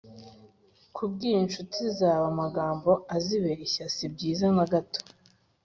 kubwira incuti zawe amagambo azisebya, sibyiza nagato